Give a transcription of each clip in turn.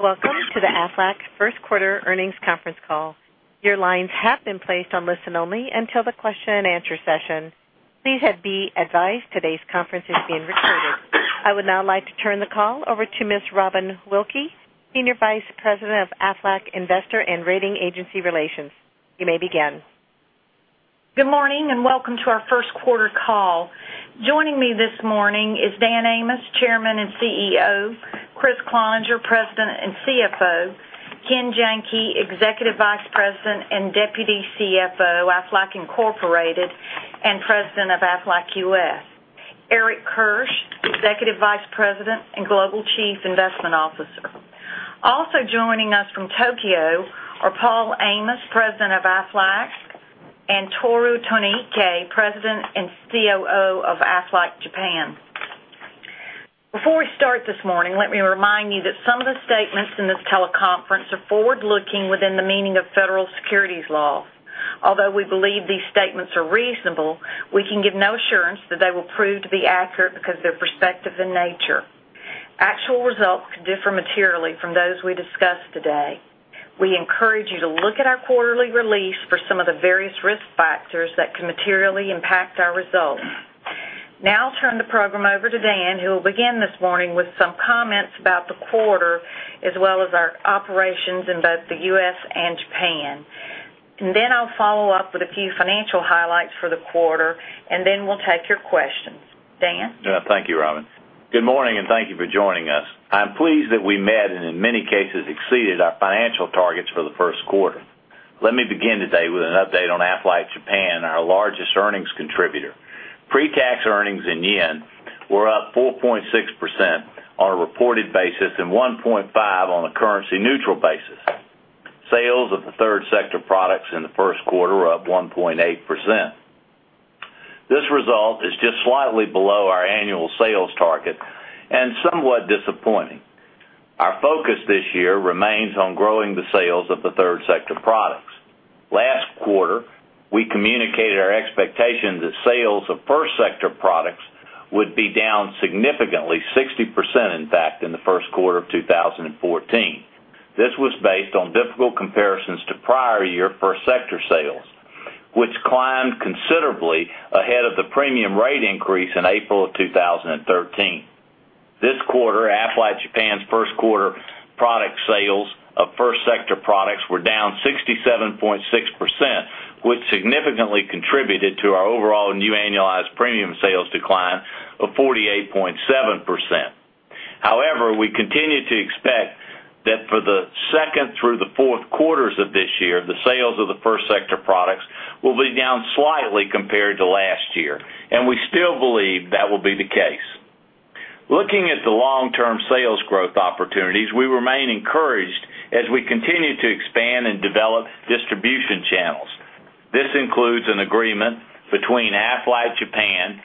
Welcome to the Aflac first quarter earnings conference call. Your lines have been placed on listen-only until the question and answer session. Please be advised, today's conference is being recorded. I would now like to turn the call over to Ms. Robin Wilkey, Senior Vice President of Aflac Investor and Rating Agency Relations. You may begin. Good morning, welcome to our first quarter call. Joining me this morning is Dan Amos, Chairman and CEO, Kriss Cloninger, President and CFO, Ken Janke, Executive Vice President and Deputy CFO, Aflac Incorporated, and President of Aflac US, Eric Kirsch, Executive Vice President and Global Chief Investment Officer. Also joining us from Tokyo are Paul Amos, President of Aflac, and Tohru Tonoike, President and COO of Aflac Japan. We start this morning, let me remind you that some of the statements in this teleconference are forward-looking within the meaning of federal securities laws. Although we believe these statements are reasonable, we can give no assurance that they will prove to be accurate because they're prospective in nature. Actual results could differ materially from those we discuss today. We encourage you to look at our quarterly release for some of the various risk factors that can materially impact our results. I'll turn the program over to Dan, who will begin this morning with some comments about the quarter as well as our operations in both the U.S. and Japan. I'll follow up with a few financial highlights for the quarter, we'll take your questions. Dan? Thank you, Robin. Good morning, thank you for joining us. I'm pleased that we met, and in many cases, exceeded our financial targets for the first quarter. Let me begin today with an update on Aflac Japan, our largest earnings contributor. Pre-tax earnings in JPY were up 4.6% on a reported basis and 1.5% on a currency-neutral basis. Sales of the third sector products in the first quarter were up 1.8%. This result is just slightly below our annual sales target and somewhat disappointing. Our focus this year remains on growing the sales of the third sector products. Last quarter, we communicated our expectation that sales of first sector products would be down significantly, 60% in fact, in the first quarter of 2014. This was based on difficult comparisons to prior year first sector sales, which climbed considerably ahead of the premium rate increase in April of 2013. This quarter, Aflac Japan's first quarter product sales of first sector products were down 67.6%, which significantly contributed to our overall new annualized premium sales decline of 48.7%. We continue to expect that for the second through the fourth quarters of this year, the sales of the first sector products will be down slightly compared to last year, and we still believe that will be the case. Looking at the long-term sales growth opportunities, we remain encouraged as we continue to expand and develop distribution channels. This includes an agreement between Aflac Japan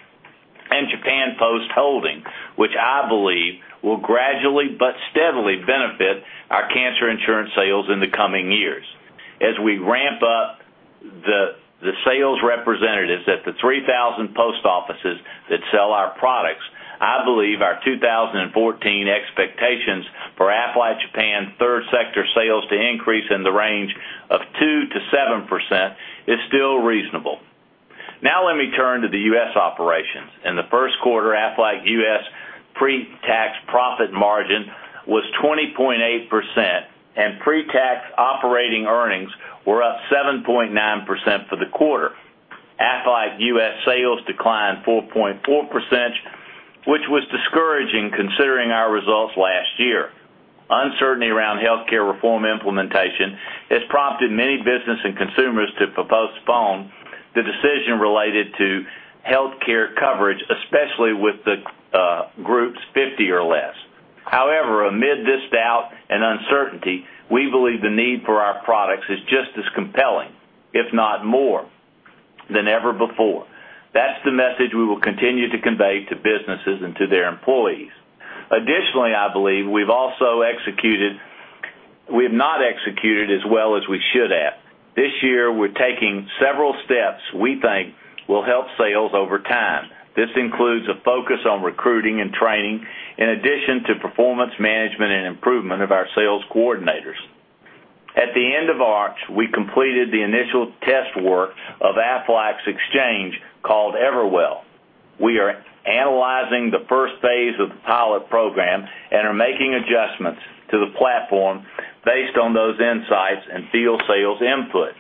and Japan Post Holdings, which I believe will gradually but steadily benefit our cancer insurance sales in the coming years. As we ramp up the sales representatives at the 3,000 post offices that sell our products, I believe our 2014 expectations for Aflac Japan third sector sales to increase in the range of 2%-7% is still reasonable. Let me turn to the U.S. operations. In the first quarter, Aflac U.S. pre-tax profit margin was 20.8%, and pre-tax operating earnings were up 7.9% for the quarter. Aflac U.S. sales declined 4.4%, which was discouraging considering our results last year. Uncertainty around healthcare reform implementation has prompted many business and consumers to postpone the decision related to healthcare coverage, especially with the groups 50 or less. Amid this doubt and uncertainty, we believe the need for our products is just as compelling, if not more, than ever before. That's the message we will continue to convey to businesses and to their employees. I believe we have not executed as well as we should have. This year, we're taking several steps we think will help sales over time. This includes a focus on recruiting and training, in addition to performance management and improvement of our sales coordinators. At the end of March, we completed the initial test work of Aflac's exchange called Everwell. We are analyzing the first phase of the pilot program and are making adjustments to the platform based on those insights and field sales input.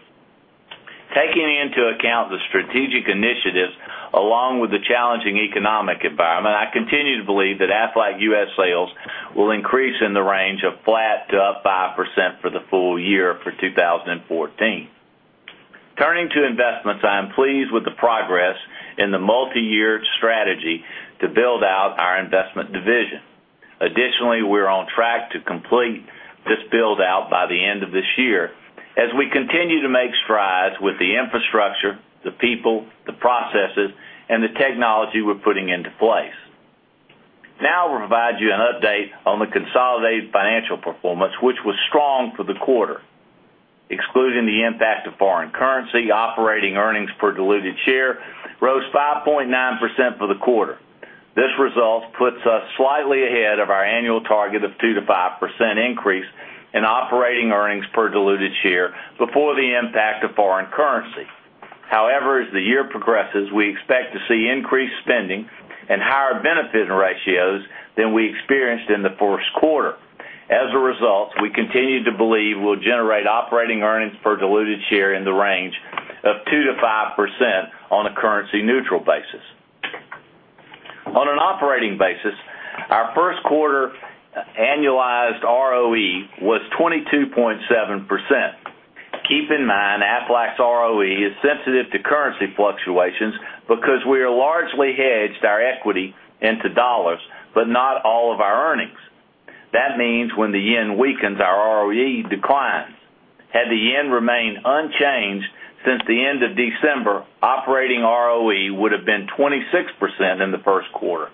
Taking into account the strategic initiatives along with the challenging economic environment, I continue to believe that Aflac U.S. sales will increase in the range of flat to up 5% for the full year for 2014. Turning to investments, I am pleased with the progress in the multiyear strategy to build out our investment division. We're on track to complete this build-out by the end of this year as we continue to make strides with the infrastructure, the people, the processes, and the technology we're putting into place. I'll provide you an update on the consolidated financial performance, which was strong for the quarter. The impact of foreign currency operating earnings per diluted share rose 5.9% for the quarter. This result puts us slightly ahead of our annual target of 2%-5% increase in operating earnings per diluted share before the impact of foreign currency. As the year progresses, we expect to see increased spending and higher benefit ratios than we experienced in the first quarter. We continue to believe we'll generate operating earnings per diluted share in the range of 2%-5% on a currency-neutral basis. On an operating basis, our first quarter annualized ROE was 22.7%. Keep in mind, Aflac's ROE is sensitive to currency fluctuations because we largely hedged our equity into dollars, but not all of our earnings. That means when the yen weakens, our ROE declines. Had the yen remained unchanged since the end of December, operating ROE would've been 26% in the first quarter.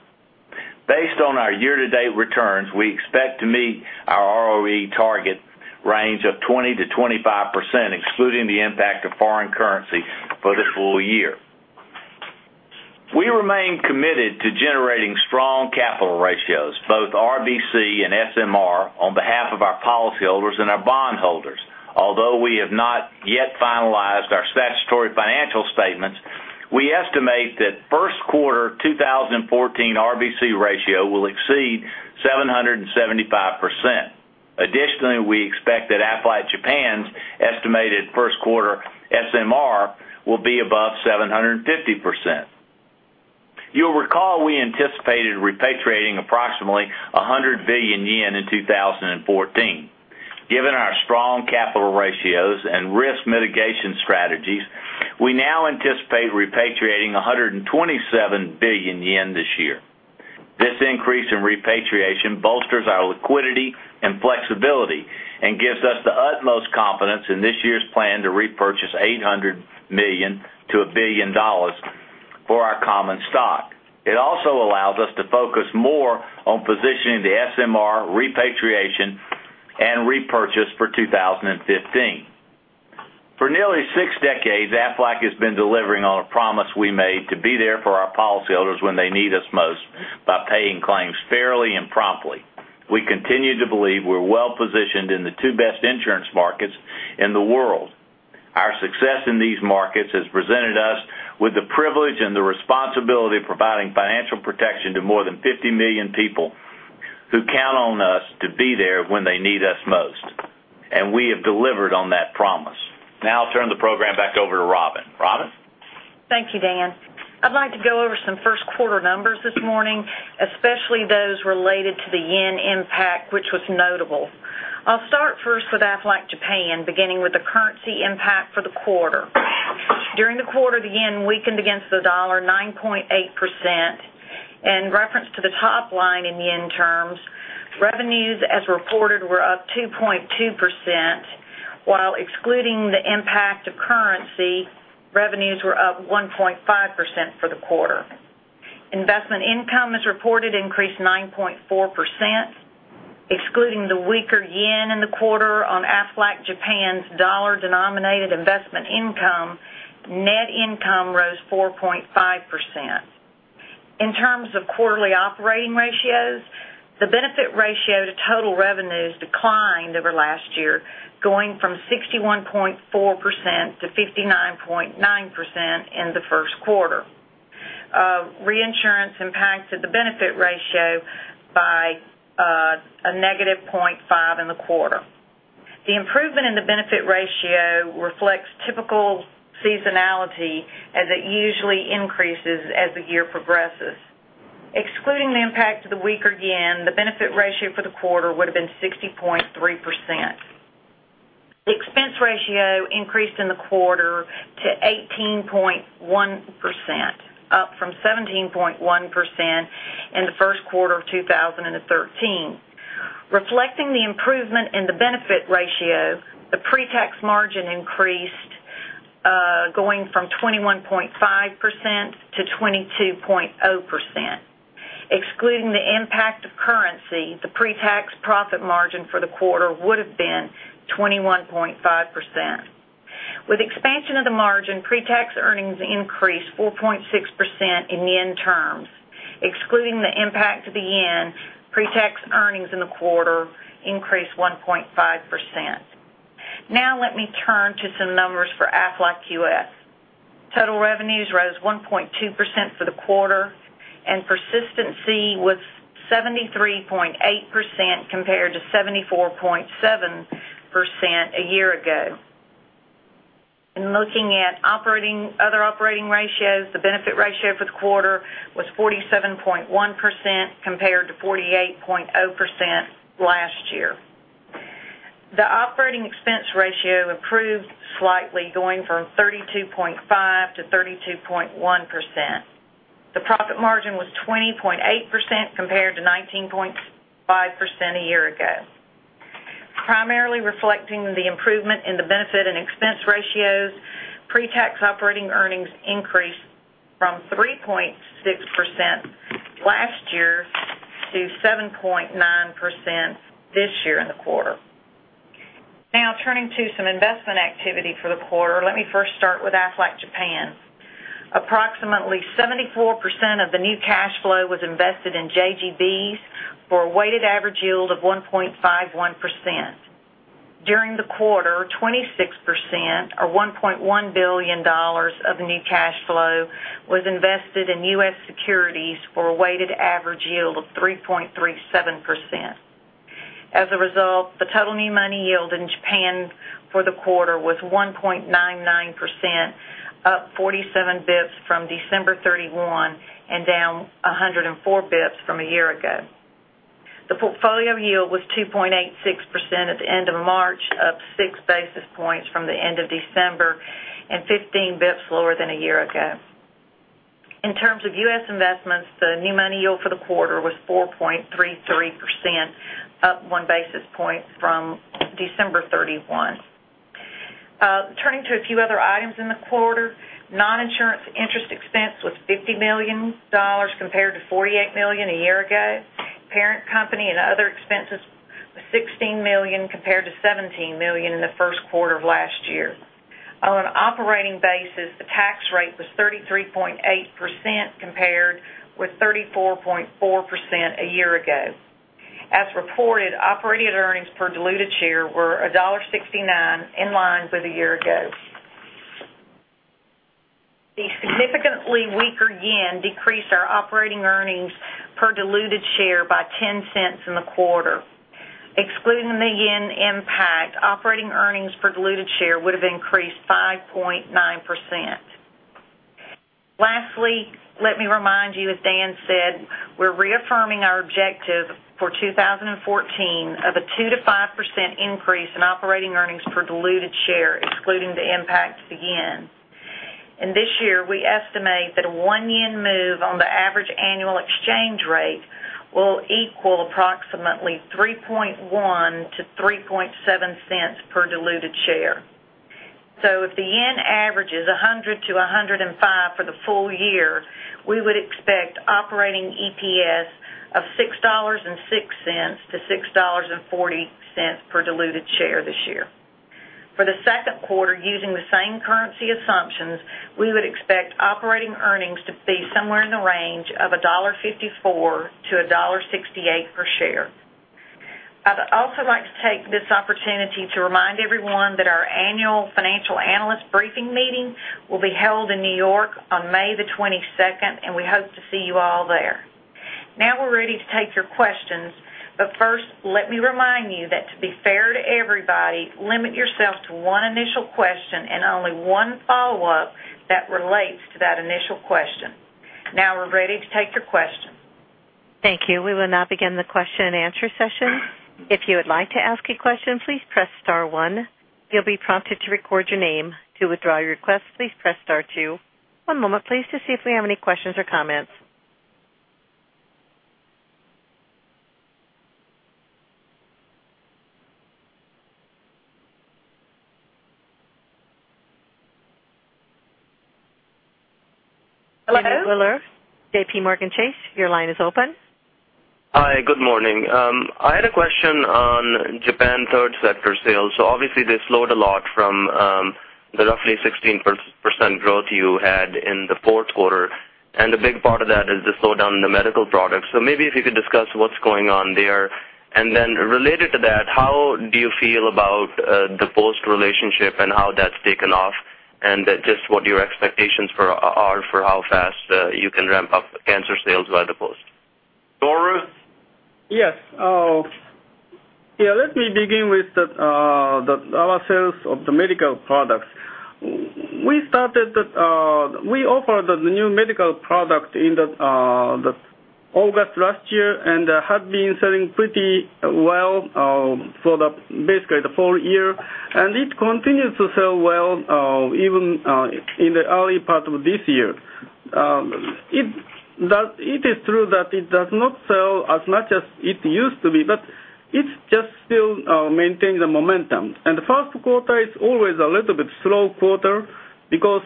Based on our year-to-date returns, we expect to meet our ROE target range of 20%-25%, excluding the impact of foreign currency for this full year. We remain committed to generating strong capital ratios, both RBC and SMR, on behalf of our policyholders and our bondholders. Although we have not yet finalized our statutory financial statements, we estimate that first quarter 2014 RBC ratio will exceed 775%. Additionally, we expect that Aflac Japan's estimated first quarter SMR will be above 750%. You'll recall, we anticipated repatriating approximately 100 billion yen in 2014. Given our strong capital ratios and risk mitigation strategies, we now anticipate repatriating 127 billion yen this year. This increase in repatriation bolsters our liquidity and flexibility and gives us the utmost confidence in this year's plan to repurchase $800 million-$1 billion for our common stock. It also allows us to focus more on positioning the SMR repatriation and repurchase for 2015. For nearly six decades, Aflac has been delivering on a promise we made to be there for our policyholders when they need us most by paying claims fairly and promptly. We continue to believe we're well-positioned in the two best insurance markets in the world. Our success in these markets has presented us with the privilege and the responsibility of providing financial protection to more than 50 million people who count on us to be there when they need us most. We have delivered on that promise. Now I'll turn the program back over to Robin. Robin? Thank you, Dan. I'd like to go over some first quarter numbers this morning, especially those related to the yen impact, which was notable. I'll start first with Aflac Japan, beginning with the currency impact for the quarter. During the quarter, the yen weakened against the dollar 9.8%. In reference to the top line in yen terms, revenues as reported were up 2.2%, while excluding the impact of currency, revenues were up 1.5% for the quarter. Investment income as reported increased 9.4%, excluding the weaker yen in the quarter on Aflac Japan's dollar-denominated investment income, net income rose 4.5%. In terms of quarterly operating ratios, the benefit ratio to total revenues declined over last year, going from 61.4%-59.9% in the first quarter. Reinsurance impacted the benefit ratio by a negative 0.5% in the quarter. The improvement in the benefit ratio reflects typical seasonality as it usually increases as the year progresses. Excluding the impact of the weaker JPY, the benefit ratio for the quarter would've been 60.3%. The expense ratio increased in the quarter to 18.1%, up from 17.1% in the first quarter of 2013. Reflecting the improvement in the benefit ratio, the pre-tax margin increased, going from 21.5% to 22.0%. Excluding the impact of currency, the pre-tax profit margin for the quarter would've been 21.5%. With expansion of the margin, pre-tax earnings increased 4.6% in JPY terms. Excluding the impact of the JPY, pre-tax earnings in the quarter increased 1.5%. Let me turn to some numbers for Aflac US. Total revenues rose 1.2% for the quarter, and persistency was 73.8%, compared to 74.7% a year ago. In looking at other operating ratios, the benefit ratio for the quarter was 47.1%, compared to 48.0% last year. The operating expense ratio improved slightly, going from 32.5% to 32.1%. The profit margin was 20.8%, compared to 19.5% a year ago. Primarily reflecting the improvement in the benefit and expense ratios, pre-tax operating earnings increased from 3.6% last year 7.9% this year in the quarter. Turning to some investment activity for the quarter, let me first start with Aflac Japan. Approximately 74% of the new cash flow was invested in JGBs for a weighted average yield of 1.51%. During the quarter, 26%, or $1.1 billion of new cash flow, was invested in U.S. securities for a weighted average yield of 3.37%. As a result, the total new money yield in Japan for the quarter was 1.99%, up 47 basis points from December 31 and down 104 basis points from a year ago. The portfolio yield was 2.86% at the end of March, up six basis points from the end of December and 15 basis points lower than a year ago. In terms of U.S. investments, the new money yield for the quarter was 4.33%, up one basis point from December 31. Turning to a few other items in the quarter, non-insurance interest expense was $50 million compared to $48 million a year ago. Parent company and other expenses was $16 million compared to $17 million in the first quarter of last year. On an operating basis, the tax rate was 33.8% compared with 34.4% a year ago. As reported, operating earnings per diluted share were $1.69, in line with a year ago. The significantly weaker JPY decreased our operating earnings per diluted share by $0.10 in the quarter. Excluding the JPY impact, operating earnings per diluted share would've increased 5.9%. Lastly, let me remind you, as Dan Amos said, we're reaffirming our objective for 2014 of a 2%-5% increase in operating earnings per diluted share, excluding the impact of the JPY. This year, we estimate that a one JPY move on the average annual exchange rate will equal approximately $0.031 to $0.037 per diluted share. If the JPY averages 100 to 105 for the full year, we would expect operating EPS of $6.06 to $6.40 per diluted share this year. For the second quarter, using the same currency assumptions, we would expect operating earnings to be somewhere in the range of $1.54 to $1.68 per share. I would also like to take this opportunity to remind everyone that our annual financial analyst briefing meeting will be held in New York on May the 22nd. We hope to see you all there. Now we're ready to take your questions. First, let me remind you that to be fair to everybody, limit yourself to one initial question and only one follow-up that relates to that initial question. Now we're ready to take your questions. Thank you. We will now begin the question and answer session. If you would like to ask a question, please press star one. You'll be prompted to record your name. To withdraw your request, please press star two. One moment, please, to see if we have any questions or comments. Hello? Inder Giller, JPMorgan Chase, your line is open. Hi, good morning. I had a question on Japan third sector sales. Obviously, they slowed a lot from the roughly 16% growth you had in the fourth quarter. A big part of that is the slowdown in the medical products. Maybe if you could discuss what's going on there. Related to that, how do you feel about the Post relationship and how that's taken off, and just what your expectations are for how fast you can ramp up cancer sales by the Post? Tohru? Yes. Let me begin with our sales of the medical products. We offered the new medical product in August last year and have been selling pretty well for basically the whole year. It continues to sell well even in the early part of this year. It is true that it does not sell as much as it used to be, but it just still maintains the momentum. The first quarter is always a little bit slow quarter because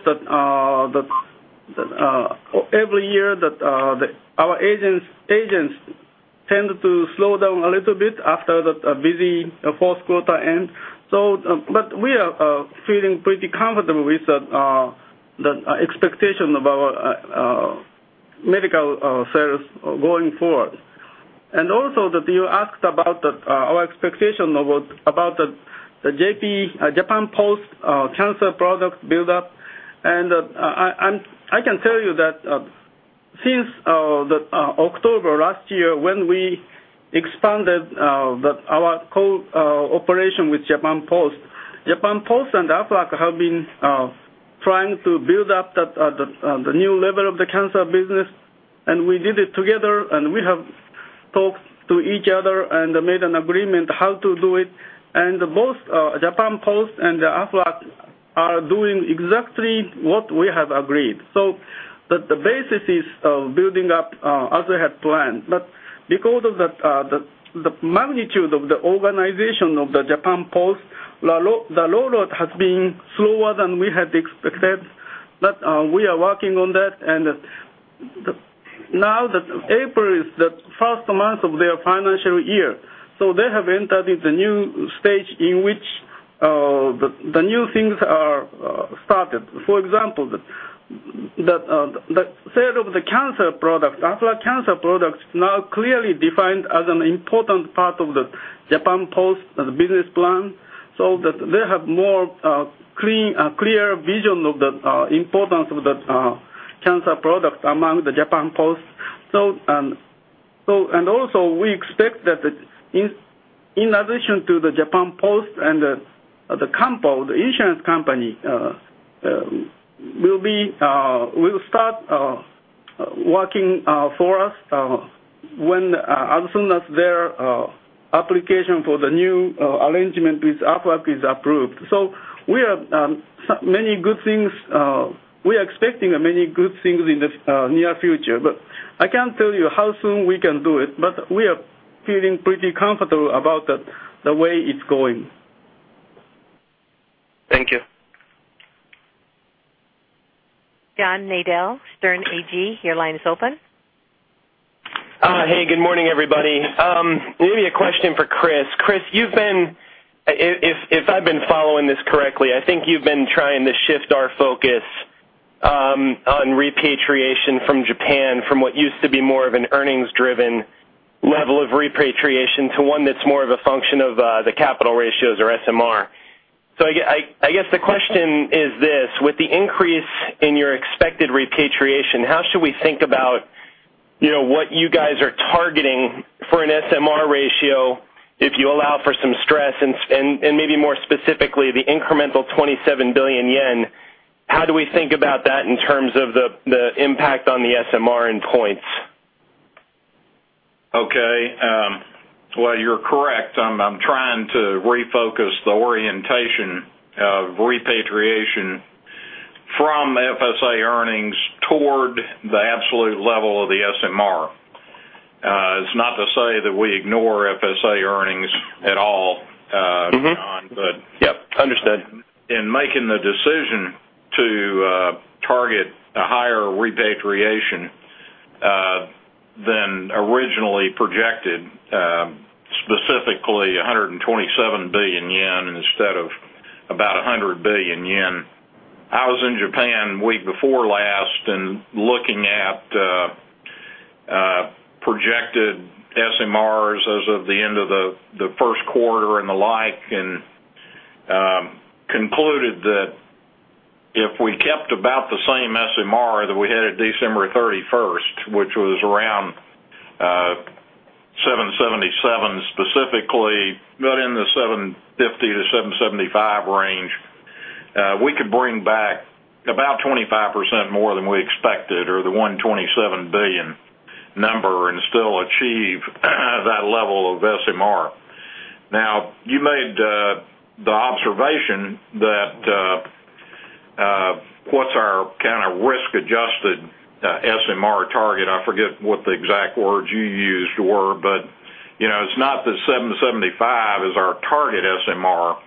every year, our agents tend to slow down a little bit after the busy fourth quarter ends. We are feeling pretty comfortable with the expectation of our medical sales going forward. Also you asked about our expectation about the Japan Post cancer product buildup, and I can tell you that since October last year, when we expanded our cooperation with Japan Post, Japan Post and Aflac have been trying to build up the new level of the cancer business, and we did it together and we have talked to each other and made an agreement how to do it. Both Japan Post and Aflac are doing exactly what we have agreed. The basis is building up as we had planned. Because of the magnitude of the organization of the Japan Post, the rollout has been slower than we had expected. We are working on that, and now that April is the first month of their financial year. They have entered into new stage in which the new things are started. For example, the sale of the cancer product, Aflac cancer product, is now clearly defined as an important part of the Japan Post business plan. They have more clear vision of the importance of the cancer product among the Japan Post. Also, we expect that in addition to the Japan Post and the Kampo, the insurance company, will start working for us as soon as their application for the new arrangement with Aflac is approved. We are expecting many good things in the near future, but I can't tell you how soon we can do it, but we are feeling pretty comfortable about the way it's going. Thank you. John Nadel, Sterne Agee, your line is open. Hey, good morning, everybody. Maybe a question for Kriss. Kriss, if I've been following this correctly, I think you've been trying to shift our focus on repatriation from Japan, from what used to be more of an earnings-driven level of repatriation to one that's more of a function of the capital ratios or SMR. I guess the question is this, with the increase in your expected repatriation, how should we think about what you guys are targeting for an SMR ratio if you allow for some stress, and maybe more specifically, the incremental 27 billion yen, how do we think about that in terms of the impact on the SMR in points? Okay. You're correct. I'm trying to refocus the orientation of repatriation from FSA earnings toward the absolute level of the SMR. It's not to say that we ignore FSA earnings at all. John. Yep. Understood in making the decision to target a higher repatriation than originally projected, specifically 127 billion yen instead of about 100 billion yen. I was in Japan week before last, looking at projected SMRs as of the end of the first quarter and the like, and concluded that if we kept about the same SMR that we had at December 31st, which was around 777 specifically, but in the 750 to 775 range, we could bring back about 25% more than we expected or the 127 billion number and still achieve that level of SMR. You made the observation that what's our risk-adjusted SMR target? I forget what the exact words you used were, but it's not that 775 is our target SMR.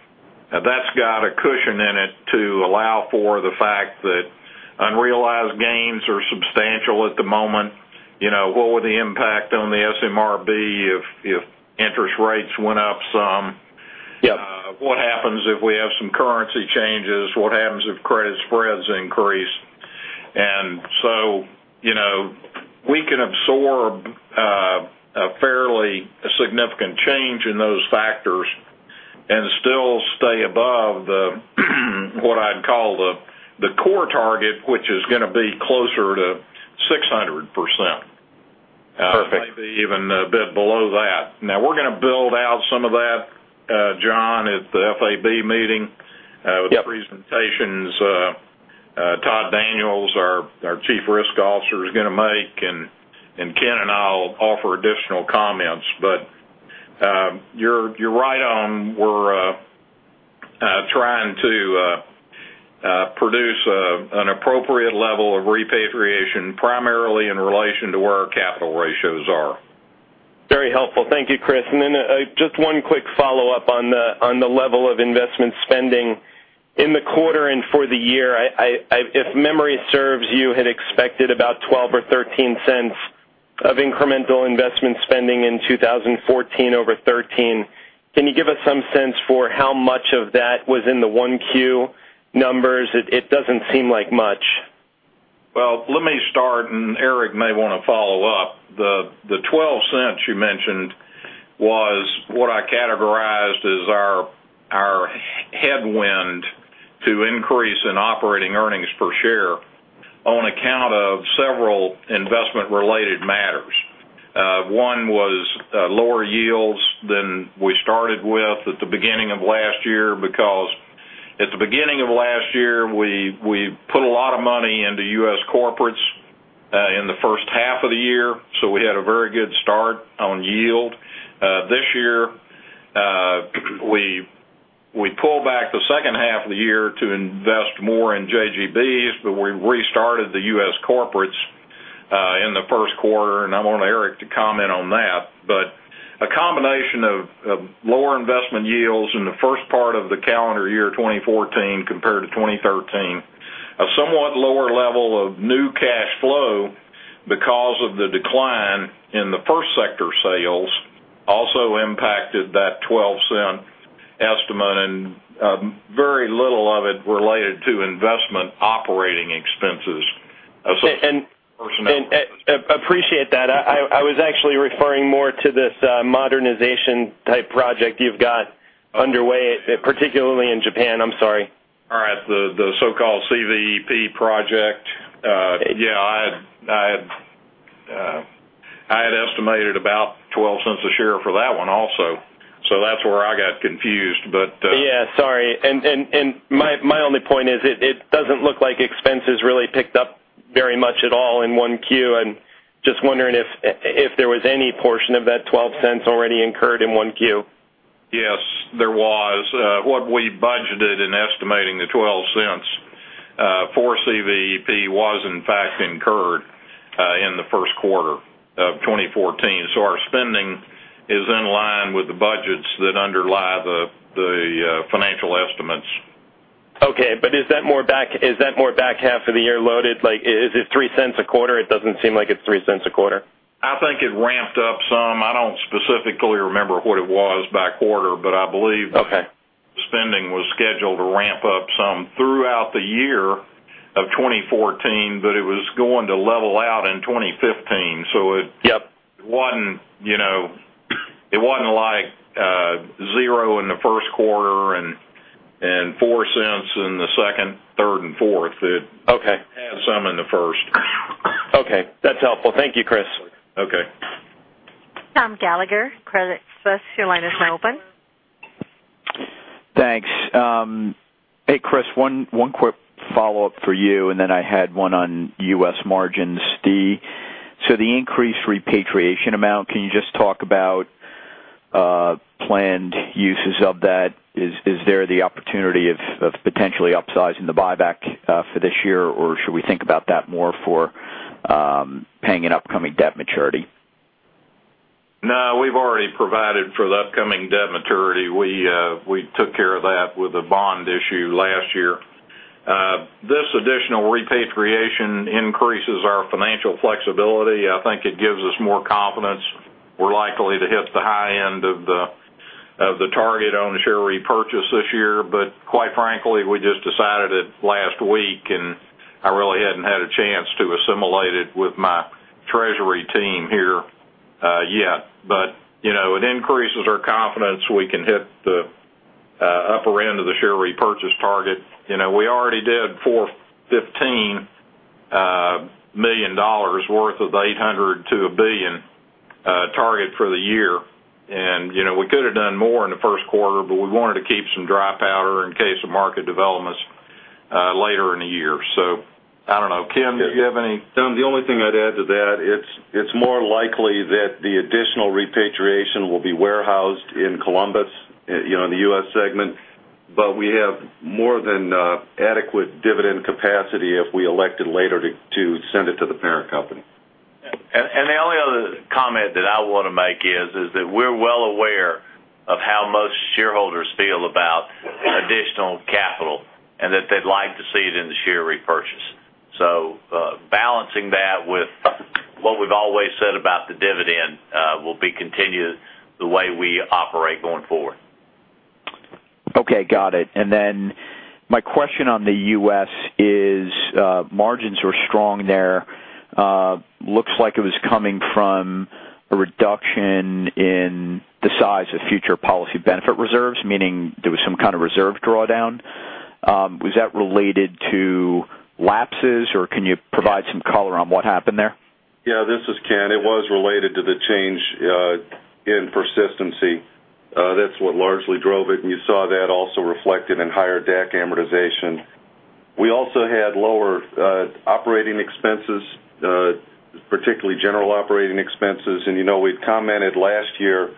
That's got a cushion in it to allow for the fact that unrealized gains are substantial at the moment. What would the impact on the SMR be if interest rates went up some? Yep. What happens if we have some currency changes? What happens if credit spreads increase? We can absorb a fairly significant change in those factors and still stay above the, what I'd call the core target, which is going to be closer to 600%. Perfect. Maybe even a bit below that. We're going to build out some of that, John Nadel, at the FAB meeting. Yep With the presentations, J. Todd Daniels, our Chief Risk Officer, is going to make, and Ken Janke and I'll offer additional comments. You're right on. We're trying to produce an appropriate level of repatriation, primarily in relation to where our capital ratios are. Very helpful. Thank you, Kriss Cloninger. Then just one quick follow-up on the level of investment spending in the quarter and for the year. If memory serves, you had expected about $0.12 or $0.13 of incremental investment spending in 2014 over 2013. Can you give us some sense for how much of that was in the Q1 numbers? It doesn't seem like much. Well, let me start, Eric Kirsch may want to follow up. The $0.12 you mentioned was what I categorized as our headwind to increase in operating earnings per share on account of several investment-related matters. One was lower yields than we started with at the beginning of last year because at the beginning of last year, we put a lot of money into U.S. corporates in the first half of the year, so we had a very good start on yield. This year, we pulled back the second half of the year to invest more in JGBs. We restarted the U.S. corporates The first quarter. I want Eric Kirsch to comment on that. A combination of lower investment yields in the first part of the calendar year 2014 compared to 2013. A somewhat lower level of new cash flow because of the decline in the first sector sales also impacted that $0.12 estimate and very little of it related to investment operating expenses. Appreciate that. I was actually referring more to this modernization type project you've got underway, particularly in Japan. I'm sorry. All right. The so-called CVEP project. Yeah. I had estimated about $0.12 a share for that one also. That's where I got confused. Yeah, sorry. My only point is it doesn't look like expenses really picked up very much at all in 1Q and just wondering if there was any portion of that $0.12 already incurred in 1Q. Yes. There was. What we budgeted in estimating the $0.12 for CVEP was in fact incurred in the first quarter of 2014. Our spending is in line with the budgets that underlie the financial estimates. Okay. Is that more back half of the year loaded? Is it $0.03 a quarter? It doesn't seem like it's $0.03 a quarter. I think it ramped up some. I don't specifically remember what it was by quarter. Okay Spending was scheduled to ramp up some throughout the year of 2014, but it was going to level out in 2015. Yep it wasn't like zero in the first quarter and $0.04 in the second, third and fourth. Okay had some in the first. Okay. That's helpful. Thank you, Kriss. Okay. Thomas Gallagher, Credit Suisse, your line is now open. Thanks. Hey, Kriss, one quick follow-up for you, and then I had one on U.S. margins. The increased repatriation amount, can you just talk about planned uses of that? Is there the opportunity of potentially upsizing the buyback for this year or should we think about that more for paying an upcoming debt maturity? We've already provided for the upcoming debt maturity. We took care of that with a bond issue last year. This additional repatriation increases our financial flexibility. I think it gives us more confidence. We're likely to hit the high end of the target on the share repurchase this year. Quite frankly, we just decided it last week, and I really hadn't had a chance to assimilate it with my treasury team here yet. It increases our confidence we can hit the upper end of the share repurchase target. We already did four, $15 million worth of the $800 million to $1 billion target for the year. We could have done more in the first quarter, but we wanted to keep some dry powder in case of market developments later in the year. I don't know. Ken, do you have any? Tom, the only thing I'd add to that, it's more likely that the additional repatriation will be warehoused in Columbus, in the U.S. segment. We have more than adequate dividend capacity if we elected later to send it to the parent company. The only other comment that I want to make is that we're well aware of how most shareholders feel about additional capital, and that they'd like to see it in the share repurchase. Balancing that with what we've always said about the dividend will be continued the way we operate going forward. Okay, got it. Then my question on the U.S. is margins were strong there. Looks like it was coming from a reduction in the size of future policy benefit reserves, meaning there was some kind of reserve drawdown. Was that related to lapses or can you provide some color on what happened there? Yeah, this is Ken. It was related to the change in persistency. That's what largely drove it, and you saw that also reflected in higher DAC amortization. We also had lower operating expenses, particularly general operating expenses. You know we'd commented last year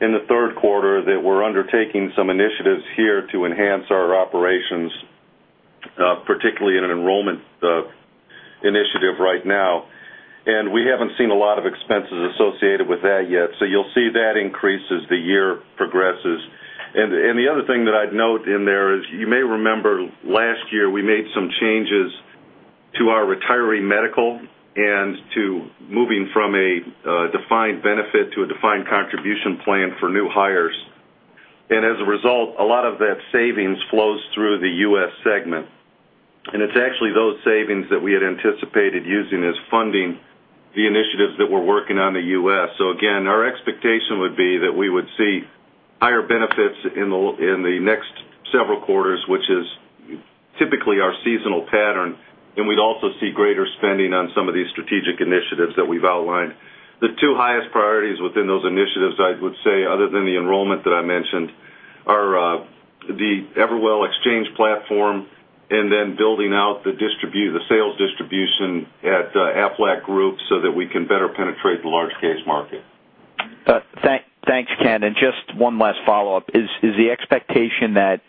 in the third quarter that we're undertaking some initiatives here to enhance our operations, particularly in an enrollment initiative right now. We haven't seen a lot of expenses associated with that yet. You'll see that increase as the year progresses. The other thing that I'd note in there is you may remember last year we made some changes to our retiree medical and to moving from a defined benefit to a defined contribution plan for new hires. As a result, a lot of that savings flows through the U.S. segment. It's actually those savings that we had anticipated using as funding the initiatives that we're working on the U.S. Again, our expectation would be that we would see higher benefits in the next several quarters, which is typically our seasonal pattern, and we'd also see greater spending on some of these strategic initiatives that we've outlined. The two highest priorities within those initiatives, I would say, other than the enrollment that I mentioned, are the Everwell exchange platform and then building out the sales distribution at Aflac Group so that we can better penetrate the large case market. Thanks, Ken. Just one last follow-up. Is the expectation that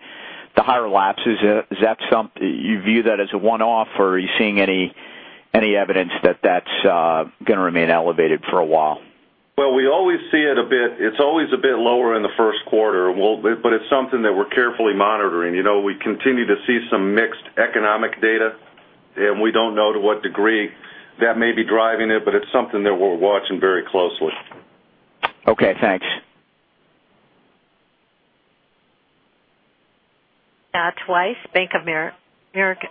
the higher lapses, you view that as a one-off or are you seeing any evidence that that's going to remain elevated for a while? Well, it's always a bit lower in the first quarter, but it's something that we're carefully monitoring. We continue to see some mixed economic data, and we don't know to what degree that may be driving it, but it's something that we're watching very closely. Okay, thanks. Now to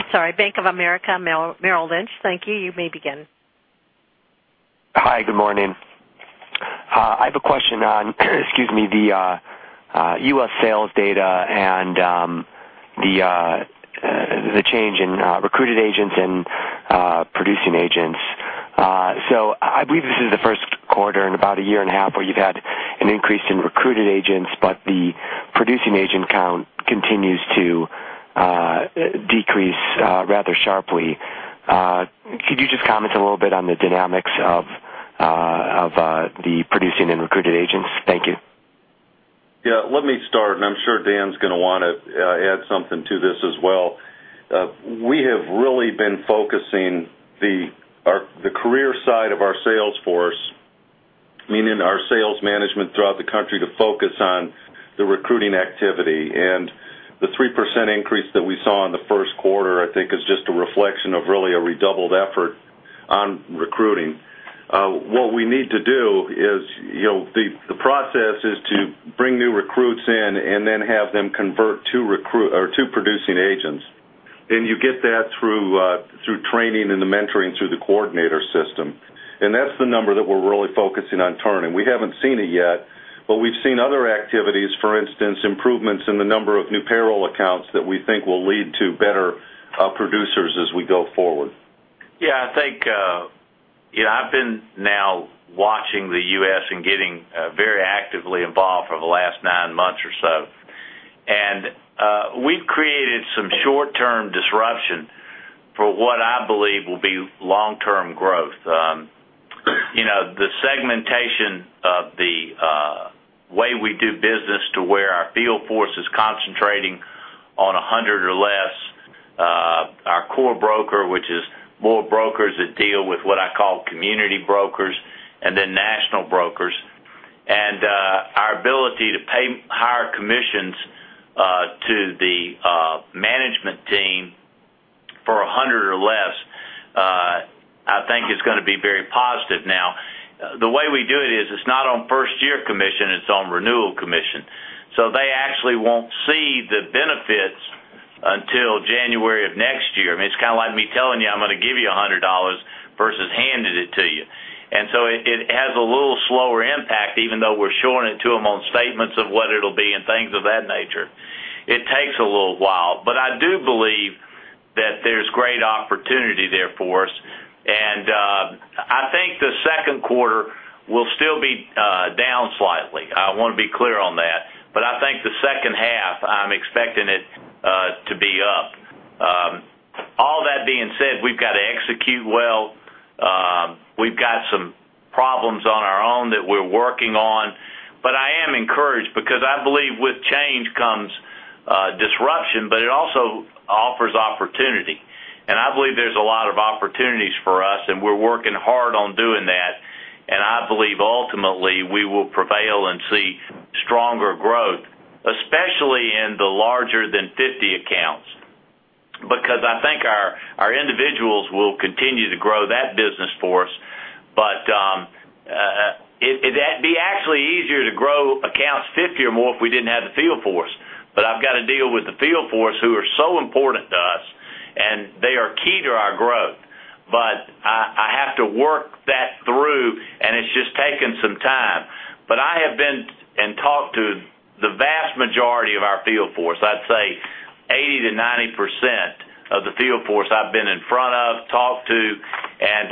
Weiss, Bank of America Merrill Lynch. Thank you. You may begin. Hi, good morning. I have a question on the U.S. sales data and the change in recruited agents and producing agents. I believe this is the first quarter in about a year and a half where you've had an increase in recruited agents, but the producing agent count continues to decrease rather sharply. Could you just comment a little bit on the dynamics of the producing and recruited agents? Thank you. Yeah, let me start, I'm sure Dan's going to want to add something to this as well. We have really been focusing the career side of our sales force, meaning our sales management throughout the country, to focus on the recruiting activity. The 3% increase that we saw in the first quarter, I think, is just a reflection of really a redoubled effort on recruiting. What we need to do is, the process is to bring new recruits in and then have them convert to producing agents. You get that through training and the mentoring through the coordinator system. That's the number that we're really focusing on turning. We haven't seen it yet, but we've seen other activities, for instance, improvements in the number of new payroll accounts that we think will lead to better producers as we go forward. Yeah, I've been now watching the U.S. and getting very actively involved for the last nine months or so. We've created some short-term disruption for what I believe will be long-term growth. The segmentation of the way we do business to where our field force is concentrating on 100 or less, our core broker, which is more brokers that deal with what I call community brokers and then national brokers. Our ability to pay higher commissions to the management team for 100 or less, I think is going to be very positive now. The way we do it is, it's not on first-year commission, it's on renewal commission. They actually won't see the benefits until January of next year. I mean, it's kind of like me telling you I'm going to give you $100 versus handing it to you. It has a little slower impact, even though we're showing it to them on statements of what it'll be and things of that nature. It takes a little while. I do believe that there's great opportunity there for us, and I think the second quarter will still be down slightly. I want to be clear on that. I think the second half, I'm expecting it to be up. All that being said, we've got to execute well. We've got some problems on our own that we're working on, but I am encouraged because I believe with change comes disruption, but it also offers opportunity. I believe there's a lot of opportunities for us, and we're working hard on doing that. I believe ultimately we will prevail and see stronger growth, especially in the larger than 50 accounts, because I think our individuals will continue to grow that business for us. It'd be actually easier to grow accounts 50 or more if we didn't have the field force. I've got to deal with the field force who are so important to us, and they are key to our growth. I have to work that through, and it's just taken some time. I have been and talked to the vast majority of our field force. I'd say 80%-90% of the field force I've been in front of, talked to, and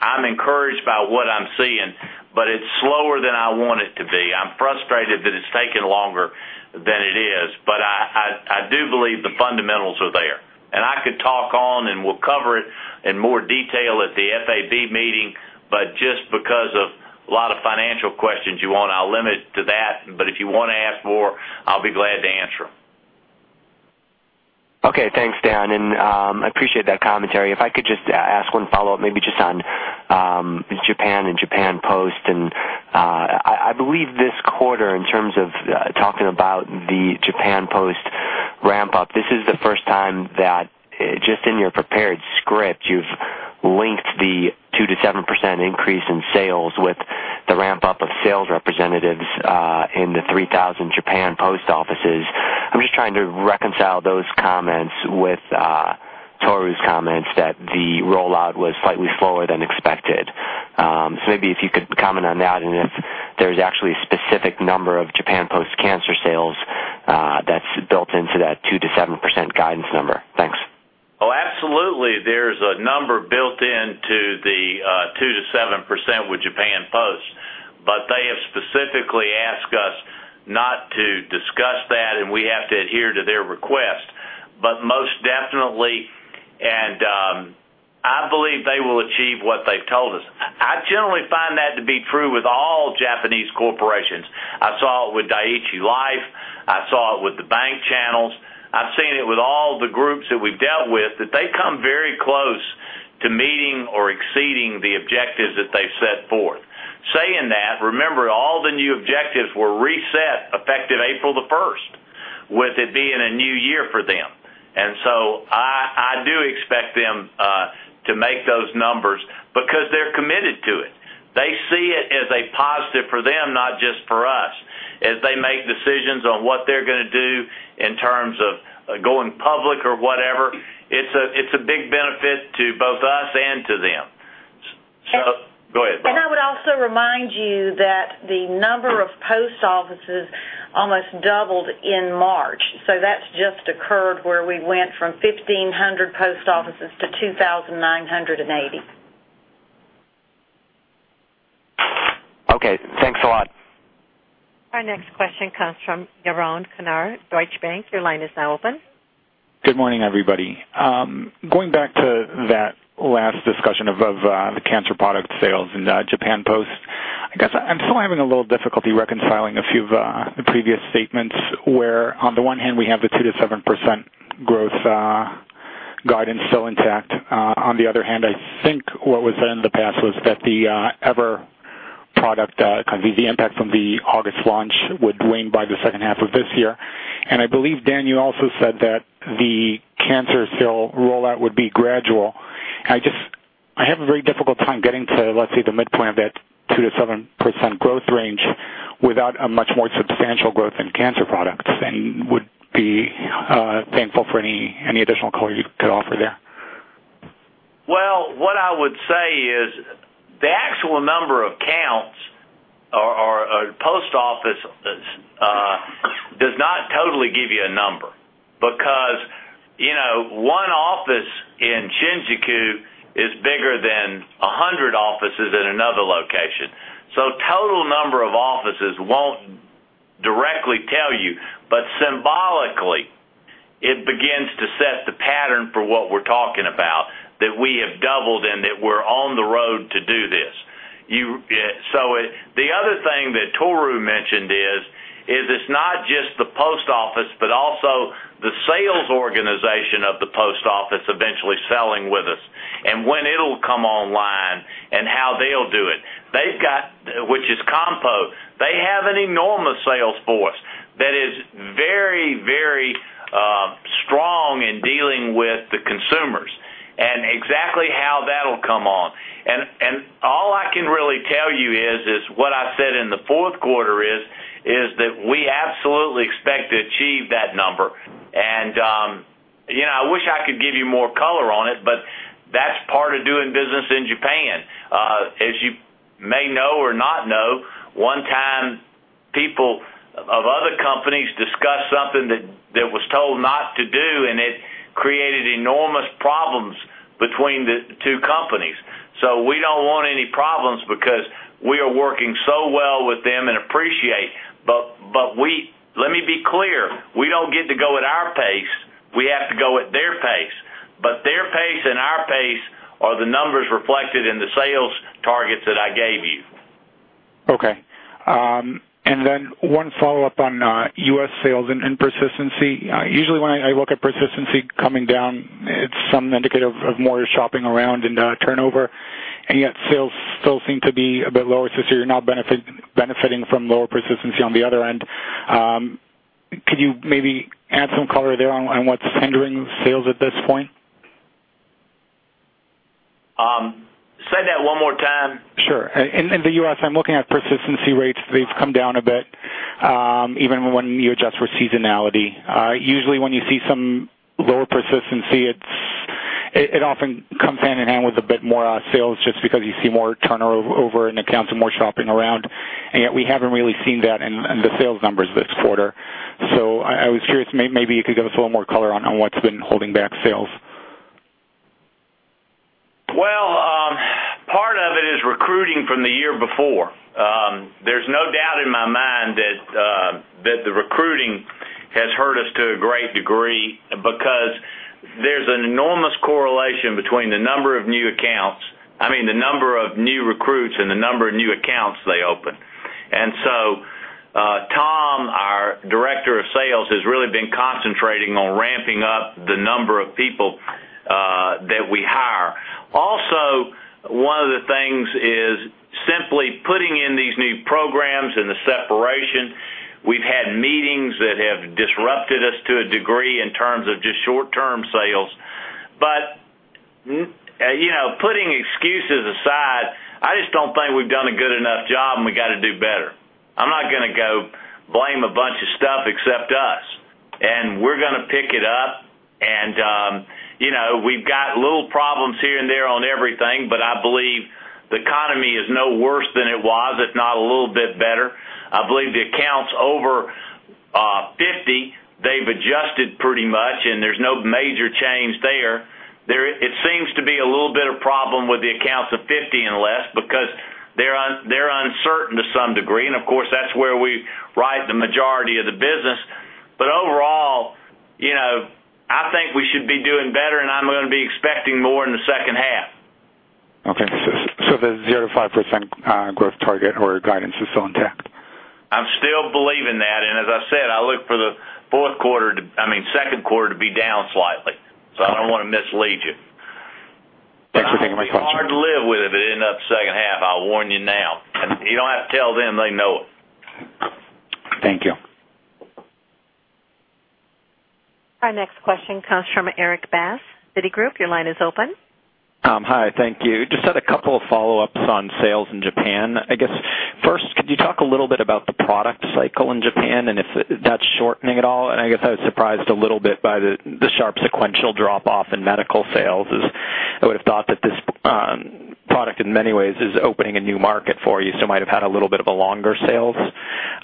I'm encouraged by what I'm seeing. It's slower than I want it to be. I'm frustrated that it's taking longer than it is. I do believe the fundamentals are there. I could talk on, and we'll cover it in more detail at the FAB meeting, just because of a lot of financial questions you want, I'll limit it to that. If you want to ask more, I'll be glad to answer them. Okay. Thanks, Dan, and I appreciate that commentary. If I could just ask one follow-up, maybe just on Japan and Japan Post. I believe this quarter, in terms of talking about the Japan Post ramp-up, this is the first time that just in your prepared script, you've linked the 2% to 7% increase in sales with the ramp-up of sales representatives in the 3,000 Japan Post offices. I'm just trying to reconcile those comments with Tohru's comments that the rollout was slightly slower than expected. Maybe if you could comment on that and if there's actually a specific number of Japan Post cancer sales that's built into that 2% to 7% guidance number. Thanks. Absolutely. There's a number built into the 2% to 7% with Japan Post. I believe they will achieve what they've told us. I generally find that to be true with all Japanese corporations. I saw it with Dai-ichi Life. I saw it with the bank channels. I've seen it with all the groups that we've dealt with, that they come very close to meeting or exceeding the objectives that they set forth. Saying that, remember, all the new objectives were reset effective April the 1st, with it being a new year for them. I do expect them to make those numbers because they're committed to it. They see it as a positive for them, not just for us, as they make decisions on what they're going to do in terms of going public or whatever. It's a big benefit to both us and to them. Go ahead, Robin. I would also remind you that the number of post offices almost doubled in March. That's just occurred, where we went from 1,500 post offices to 2,980. Okay. Thanks a lot. Our next question comes from Niranjan Kumar, Deutsche Bank. Your line is now open. Good morning, everybody. Going back to that last discussion of the cancer product sales and Japan Post, I guess I'm still having a little difficulty reconciling a few of the previous statements where, on the one hand, we have the 2%-7% growth guidance still intact. On the other hand, I think what was said in the past was that the EVER product, the impact from the August launch would wane by the second half of this year. I believe, Dan, you also said that the cancer sale rollout would be gradual. I have a very difficult time getting to, let's say, the midpoint of that 2%-7% growth range without a much more substantial growth in cancer products and would be thankful for any additional color you could offer there. Well, what I would say is the actual number of counts or post offices does not totally give you a number, because one office in Shinjuku is bigger than 100 offices in another location. Total number of offices won't directly tell you, but symbolically, it begins to set the pattern for what we're talking about, that we have doubled and that we're on the road to do this. The other thing that Tohru mentioned is it's not just the post office, but also the sales organization of the post office eventually selling with us, and when it'll come online and how they'll do it. They've got, which is Kampo. They have an enormous sales force that is very strong in dealing with the consumers and exactly how that'll come on. All I can really tell you is what I said in the fourth quarter is that we absolutely expect to achieve that number. I wish I could give you more color on it, but that's part of doing business in Japan. As you may know or not know, one time people of other companies discussed something that was told not to do, and it created enormous problems between the two companies. We don't want any problems because we are working so well with them and appreciate, but let me be clear, we don't get to go at our pace. We have to go at their pace, but their pace and our pace are the numbers reflected in the sales targets that I gave you. Okay. One follow-up on U.S. sales and persistency. Usually, when I look at persistency coming down, it's some indicator of more shopping around and turnover, and yet sales still seem to be a bit lower, you're now benefiting from lower persistency on the other end. Could you maybe add some color there on what's hindering sales at this point? Say that one more time. Sure. In the U.S., I'm looking at persistency rates. They've come down a bit, even when you adjust for seasonality. Usually, when you see some lower persistency, it often comes hand in hand with a bit more sales just because you see more turnover in accounts and more shopping around. Yet we haven't really seen that in the sales numbers this quarter. I was curious, maybe you could give us a little more color on what's been holding back sales. Well, part of it is recruiting from the year before. There's no doubt in my mind that the recruiting has hurt us to a great degree because there's an enormous correlation between the number of new accounts, I mean, the number of new recruits and the number of new accounts they open. Tom, our director of sales, has really been concentrating on ramping up the number of people that we hire. Also, one of the things is simply putting in these new programs and the separation. We've had meetings that have disrupted us to a degree in terms of just short-term sales. Putting excuses aside, I just don't think we've done a good enough job, and we got to do better. I'm not going to go blame a bunch of stuff except us. We're going to pick it up. We've got little problems here and there on everything, I believe the economy is no worse than it was, if not a little bit better. I believe the accounts over 50, they've adjusted pretty much, and there's no major change there. It seems to be a little bit of problem with the accounts of 50 and less because The majority of the business. Overall, I think we should be doing better, and I'm going to be expecting more in the second half. Okay. The 0% to 5% growth target or guidance is still intact? I'm still believing that, as I said, I look for the second quarter to be down slightly. I don't want to mislead you. Thanks for taking my question. It'll be hard to live with if it ends up second half, I'll warn you now. You don't have to tell them, they know it. Thank you. Our next question comes from Erik Bass, Citigroup. Your line is open. Hi, thank you. Just had a couple of follow-ups on sales in Japan. I guess, first, could you talk a little bit about the product cycle in Japan and if that's shortening at all? I guess I was surprised a little bit by the sharp sequential drop-off in medical sales is, I would've thought that this product, in many ways, is opening a new market for you, so might have had a little bit of a longer sales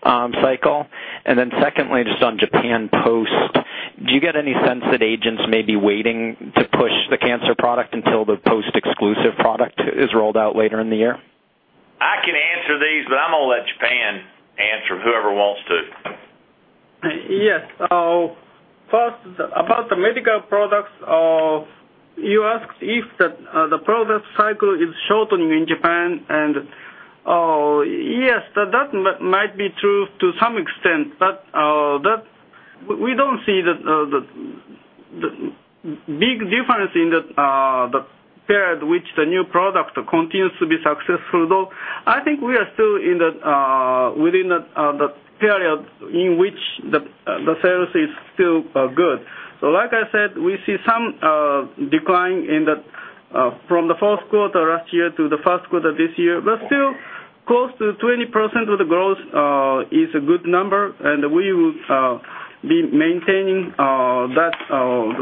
cycle. Secondly, just on Japan Post, do you get any sense that agents may be waiting to push the cancer product until the post-exclusive product is rolled out later in the year? I can answer these, but I'm going to let Japan answer, whoever wants to. Yes. First, about the medical products, you asked if the product cycle is shortening in Japan. Yes, that might be true to some extent. We don't see the big difference in the period which the new product continues to be successful though. I think we are still within the period in which the sales is still good. Like I said, we see some decline from the fourth quarter last year to the first quarter this year. Still, close to 20% of the growth is a good number, and we will be maintaining that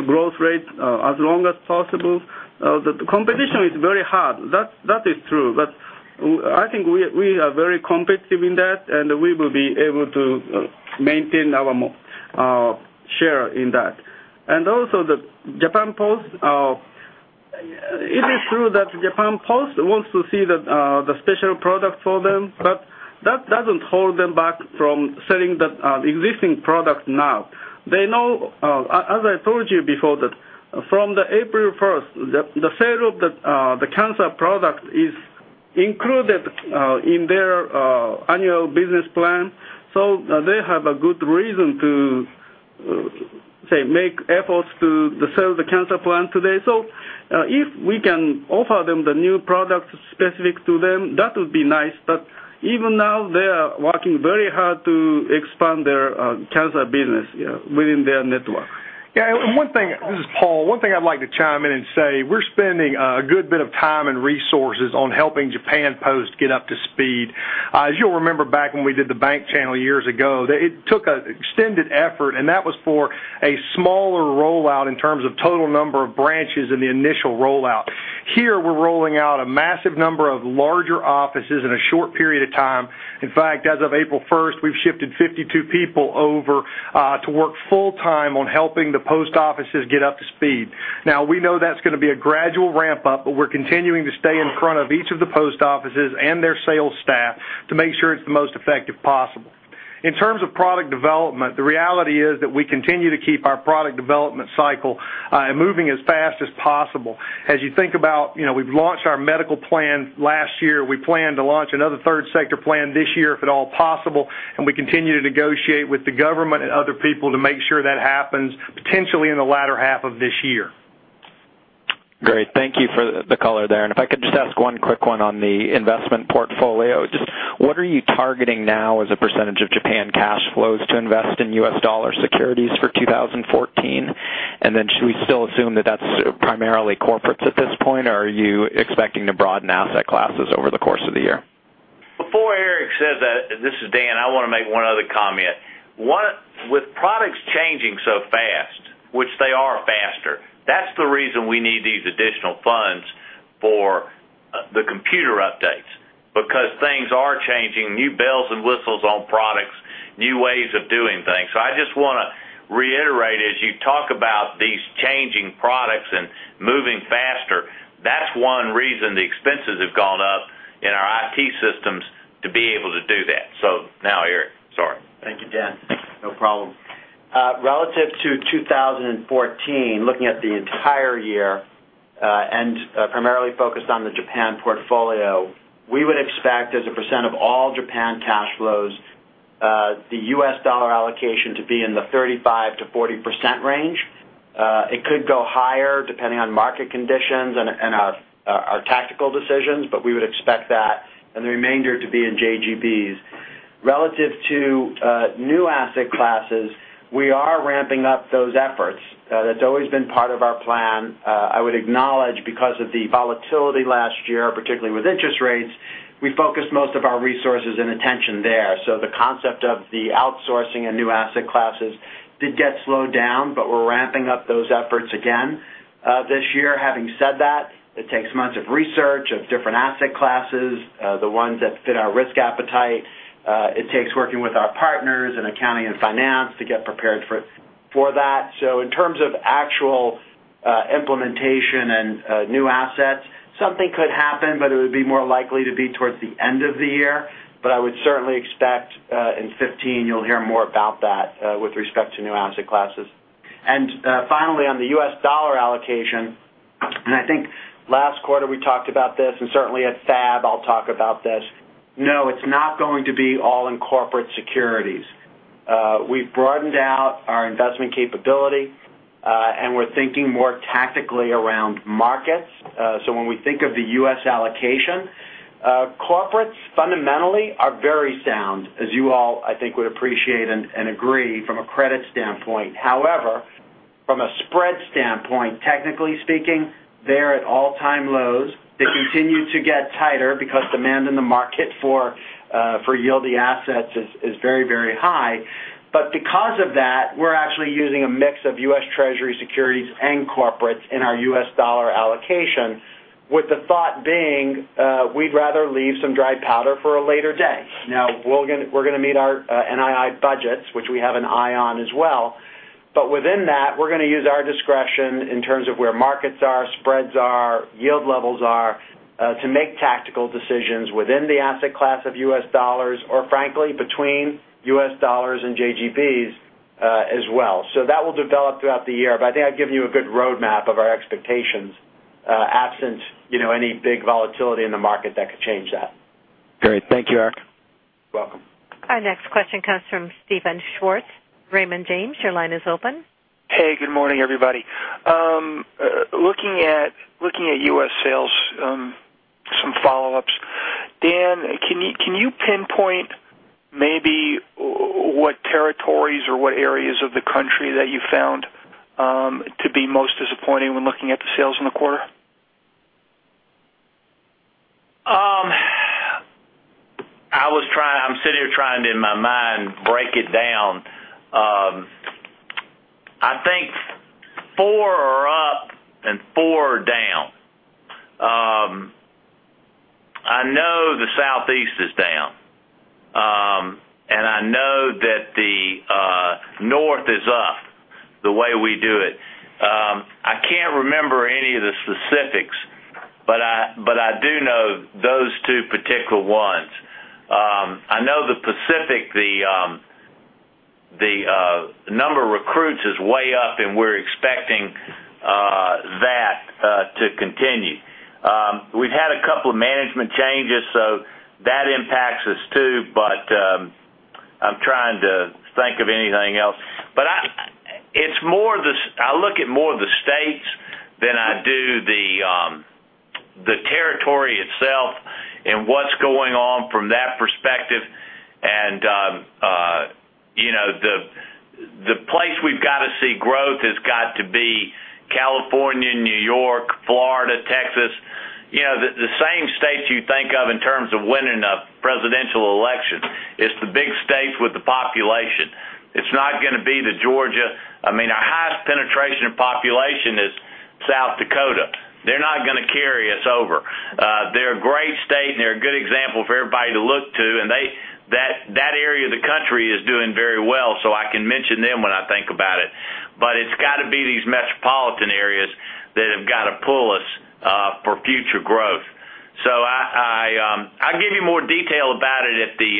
growth rate as long as possible. The competition is very hard, that is true. I think we are very competitive in that, and we will be able to maintain our share in that. Also, the Japan Post. It is true that Japan Post wants to see the special product for them, but that doesn't hold them back from selling the existing product now. As I told you before, that from the April 1st, the sale of the cancer product is included in their annual business plan, they have a good reason to, say, make efforts to sell the cancer plan today. If we can offer them the new product specific to them, that would be nice. Even now, they are working very hard to expand their cancer business within their network. This is Paul. One thing I'd like to chime in and say, we're spending a good bit of time and resources on helping Japan Post get up to speed. As you'll remember back when we did the bank channel years ago, it took an extended effort, and that was for a smaller rollout in terms of total number of branches in the initial rollout. Here, we're rolling out a massive number of larger offices in a short period of time. In fact, as of April 1st, we've shifted 52 people over to work full time on helping the post offices get up to speed. We know that's going to be a gradual ramp-up, but we're continuing to stay in front of each of the post offices and their sales staff to make sure it's the most effective possible. In terms of product development, the reality is that we continue to keep our product development cycle moving as fast as possible. You think about, we've launched our medical plan last year. We plan to launch another third sector plan this year if at all possible, and we continue to negotiate with the government and other people to make sure that happens potentially in the latter half of this year. Great. Thank you for the color there. If I could just ask one quick one on the investment portfolio. What are you targeting now as a percentage of Japan cash flows to invest in U.S. dollar securities for 2014? Should we still assume that that's primarily corporates at this point, or are you expecting to broaden asset classes over the course of the year? Before Eric says that, this is Dan, I want to make one other comment. With products changing so fast, which they are faster, that's the reason we need these additional funds for the computer updates, because things are changing. New bells and whistles on products, new ways of doing things. I just want to reiterate, as you talk about these changing products and moving faster, that's one reason the expenses have gone up in our IT systems to be able to do that. Now, Eric, sorry. Thank you, Dan. No problem. Relative to 2014, looking at the entire year, and primarily focused on the Japan portfolio, we would expect as a percent of all Japan cash flows, the U.S. dollar allocation to be in the 35%-40% range. It could go higher depending on market conditions and our tactical decisions, but we would expect that and the remainder to be in JGBs. Relative to new asset classes, we are ramping up those efforts. That's always been part of our plan. I would acknowledge because of the volatility last year, particularly with interest rates, we focused most of our resources and attention there. The concept of the outsourcing and new asset classes did get slowed down, but we're ramping up those efforts again this year. Having said that, it takes months of research of different asset classes, the ones that fit our risk appetite. It takes working with our partners in accounting and finance to get prepared for For that. In terms of actual implementation and new assets, something could happen, but it would be more likely to be towards the end of the year. I would certainly expect in 2015 you'll hear more about that with respect to new asset classes. Finally, on the U.S. dollar allocation, and I think last quarter we talked about this, and certainly at FAB I'll talk about this. No, it's not going to be all in corporate securities. We've broadened out our investment capability, and we're thinking more tactically around markets. When we think of the U.S. allocation, corporates fundamentally are very sound, as you all, I think, would appreciate and agree from a credit standpoint. However, from a spread standpoint, technically speaking, they're at all-time lows. They continue to get tighter because demand in the market for yield-y assets is very high. Because of that, we're actually using a mix of U.S. Treasury securities and corporates in our U.S. dollar allocation, with the thought being, we'd rather leave some dry powder for a later day. Now, we're going to meet our NII budgets, which we have an eye on as well. Within that, we're going to use our discretion in terms of where markets are, spreads are, yield levels are, to make tactical decisions within the asset class of U.S. dollars or frankly, between U.S. dollars and JGBs as well. That will develop throughout the year, but I think I've given you a good roadmap of our expectations, absent any big volatility in the market that could change that. Great. Thank you, Eric. Welcome. Our next question comes from Steven Schwartz. Raymond James, your line is open. Hey, good morning, everybody. Looking at U.S. sales, some follow-ups. Dan, can you pinpoint maybe what territories or what areas of the country that you found to be most disappointing when looking at the sales in the quarter? I'm sitting here trying to, in my mind, break it down. I think four are up and four are down. I know the Southeast is down. I know that the North is up, the way we do it. I can't remember any of the specifics, but I do know those two particular ones. I know the Pacific, the number of recruits is way up, and we're expecting that to continue. We've had a couple of management changes, so that impacts us, too. I'm trying to think of anything else. I look at more of the states than I do the territory itself and what's going on from that perspective. The place we've got to see growth has got to be California, New York, Florida, Texas. The same states you think of in terms of winning a presidential election. It's the big states with the population. It's not going to be the Georgia. Our highest penetration population is South Dakota. They're not going to carry us over. They're a great state, and they're a good example for everybody to look to. That area of the country is doing very well, so I can mention them when I think about it. It's got to be these metropolitan areas that have got to pull us for future growth. I'll give you more detail about it at the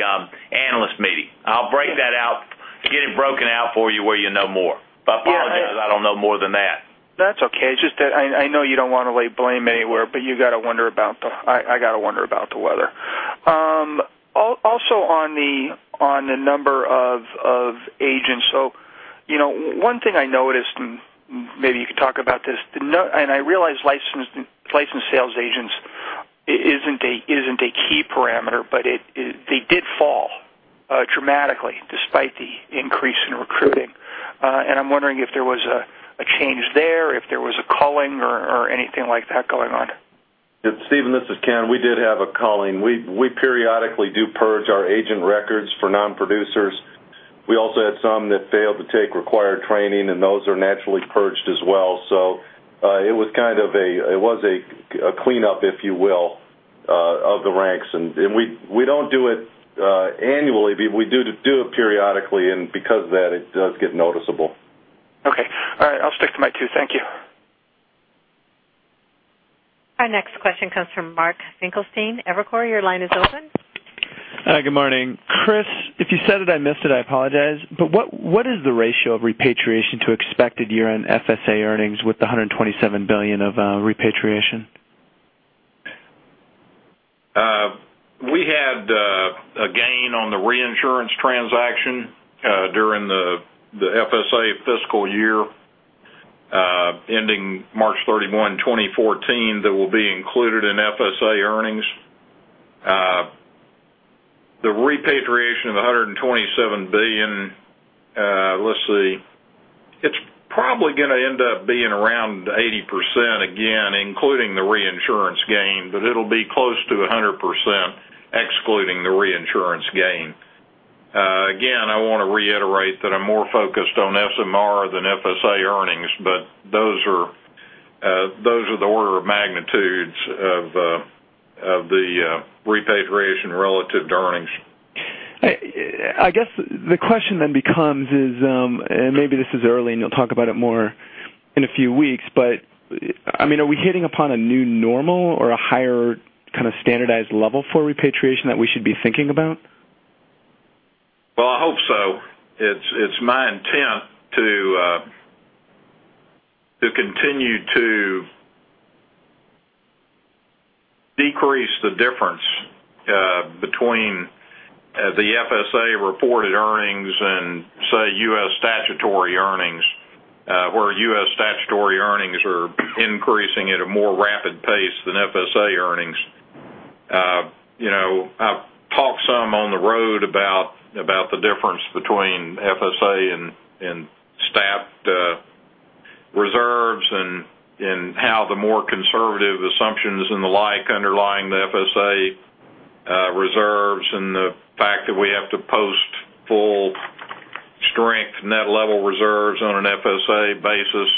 analyst meeting. I'll break that out, get it broken out for you where you know more. I apologize, I don't know more than that. That's okay. It's just that I know you don't want to lay blame anywhere, but I got to wonder about the weather. Also on the number of agents. One thing I noticed, and maybe you could talk about this, and I realize licensed sales agents isn't a key parameter, but they did fall dramatically despite the increase in recruiting. I'm wondering if there was a change there, if there was a culling or anything like that going on. Steven, this is Ken. We did have a culling. We periodically do purge our agent records for non-producers. We also had some that failed to take required training, and those are naturally purged as well. It was a cleanup, if you will, of the ranks. We don't do it annually, but we do it periodically, and because of that, it does get noticeable. Okay. All right. I'll stick to my two. Thank you. Our next question comes from Mark Finkelstein, Evercore, your line is open. Hi, good morning. Kriss, if you said it, I missed it, I apologize. What is the ratio of repatriation to expected year-end FSA earnings with the 127 billion of repatriation? We had a gain on the reinsurance transaction during the FSA fiscal year ending March 31, 2014, that will be included in FSA earnings. The repatriation of the 127 billion, let's see. It's probably going to end up being around 80% again, including the reinsurance gain, it'll be close to 100% excluding the reinsurance gain. Again, I want to reiterate that I'm more focused on SMR than FSA earnings, those are Those are the order of magnitudes of the repatriation relative to earnings. I guess the question then becomes is, maybe this is early, you'll talk about it more in a few weeks, are we hitting upon a new normal or a higher kind of standardized level for repatriation that we should be thinking about? Well, I hope so. It's my intent to continue to decrease the difference between the FSA-reported earnings and, say, U.S. statutory earnings, where U.S. statutory earnings are increasing at a more rapid pace than FSA earnings. I've talked some on the road about the difference between FSA and stat reserves and how the more conservative assumptions and the like underlying the FSA reserves, and the fact that we have to post full strength net level reserves on an FSA basis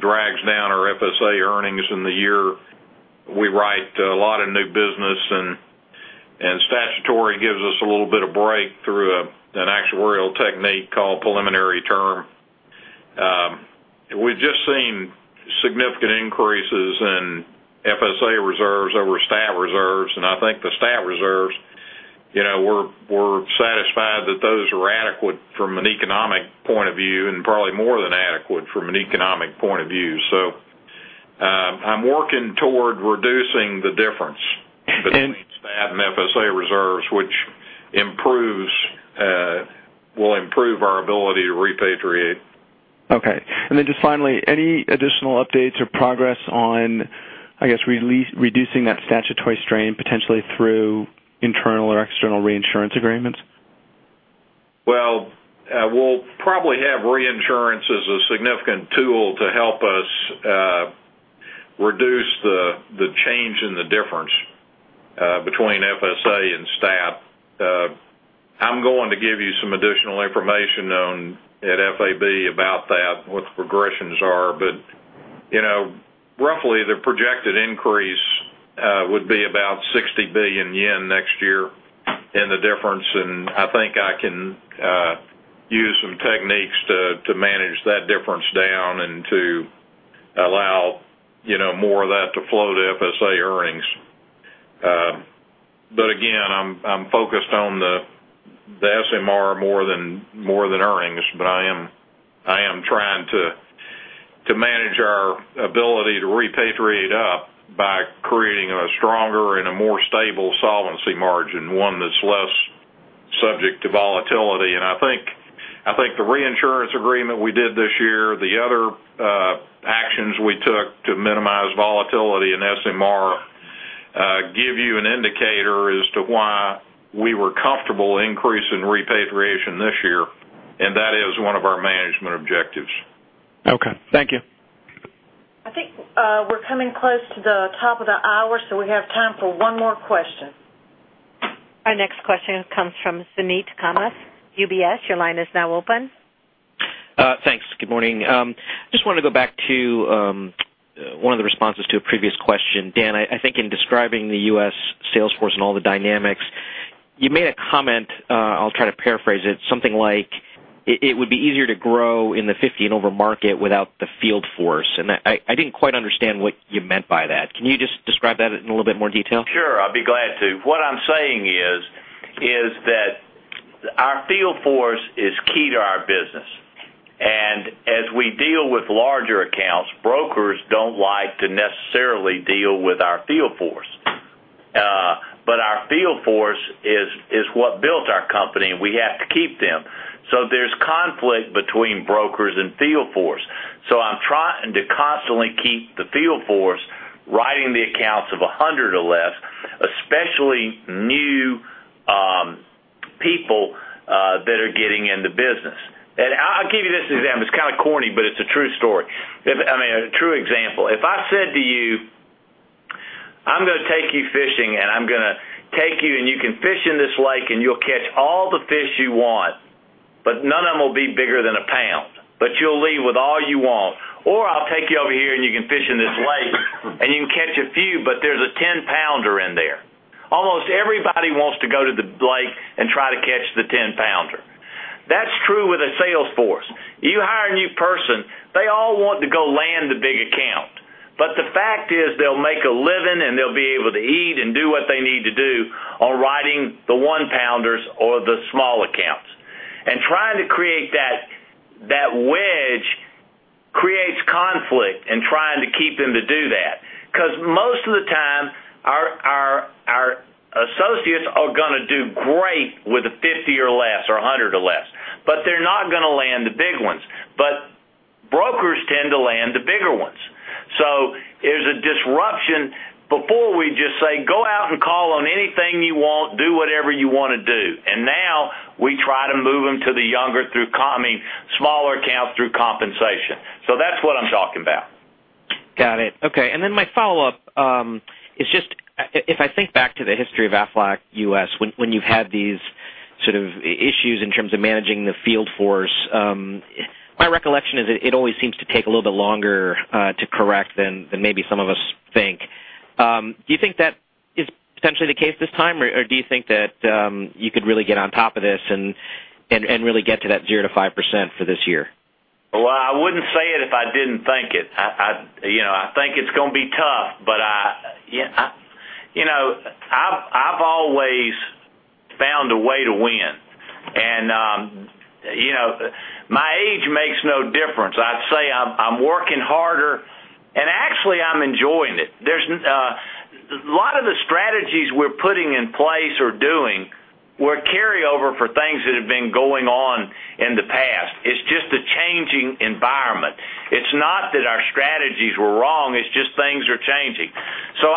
drags down our FSA earnings in the year. We write a lot of new business, statutory gives us a little bit of break through an actuarial technique called preliminary term. We've just seen significant increases in FSA reserves over stat reserves, I think the stat reserves, we're satisfied that those are adequate from an economic point of view, probably more than adequate from an economic point of view. I'm working toward reducing the difference between stat and FSA reserves, which will improve our ability to repatriate. Okay. Just finally, any additional updates or progress on, I guess, reducing that statutory strain potentially through internal or external reinsurance agreements? Well, we'll probably have reinsurance as a significant tool to help us reduce the change in the difference between FSA and stat. I'm going to give you some additional information at FAB about that, what the progressions are. Roughly, the projected increase would be about 60 billion yen next year in the difference. I think I can use some techniques to manage that difference down and to allow more of that to flow to FSA earnings. Again, I'm focused on the SMR more than earnings. I am trying to manage our ability to repatriate up by creating a stronger and a more stable solvency margin, one that's less subject to volatility. I think the reinsurance agreement we did this year, the other actions we took to minimize volatility in SMR give you an indicator as to why we were comfortable increasing repatriation this year, and that is one of our management objectives. Okay. Thank you. I think we're coming close to the top of the hour, so we have time for one more question. Our next question comes from Suneet Kamath, UBS. Your line is now open. Thanks. Good morning. Just want to go back to one of the responses to a previous question. Dan, I think in describing the U.S. sales force and all the dynamics, you made a comment, I'll try to paraphrase it, something like, it would be easier to grow in the 50 and over market without the field force. I didn't quite understand what you meant by that. Can you just describe that in a little bit more detail? Sure. I'd be glad to. What I'm saying is that our field force is key to our business, and as we deal with larger accounts, brokers don't like to necessarily deal with our field force. Our field force is what built our company, and we have to keep them. There's conflict between brokers and field force. I'm trying to constantly keep the field force writing the accounts of 100 or less, especially new people that are getting in the business. I'll give you this example. It's kind of corny, but it's a true story. I mean, a true example. If I said to you, "I'm going to take you fishing, and I'm going to take you and you can fish in this lake, and you'll catch all the fish you want, but none of them will be bigger than a pound. You'll leave with all you want. I'll take you over here, and you can fish in this lake, and you can catch a few, but there's a 10-pounder in there." Almost everybody wants to go to the lake and try to catch the 10-pounder. That's true with a sales force. You hire a new person, they all want to go land the big account. The fact is, they'll make a living, and they'll be able to eat and do what they need to do on writing the one-pounders or the small accounts. Trying to create that wedge creates conflict in trying to keep them to do that. Because most of the time, our associates are going to do great with the 50 or less or 100 or less, but they're not going to land the big ones. Brokers tend to land the bigger ones. There's a disruption. Before, we'd just say, "Go out and call on anything you want. Do whatever you want to do." Now we try to move them to the smaller accounts through compensation. That's what I'm talking about. Got it. My follow-up is just, if I think back to the history of Aflac US, when you've had these sort of issues in terms of managing the field force. My recollection is it always seems to take a little bit longer to correct than maybe some of us think. Do you think that is potentially the case this time, or do you think that you could really get on top of this and really get to that 0%-5% for this year? I wouldn't say it if I didn't think it. I think it's going to be tough, but I've always found a way to win, and my age makes no difference. I'd say I'm working harder, and actually, I'm enjoying it. A lot of the strategies we're putting in place or doing were carryover for things that have been going on in the past. It's just a changing environment. It's not that our strategies were wrong, it's just things are changing.